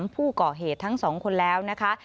ผู้เกาะเหตุทั้ง๒คนแล้วนะคะ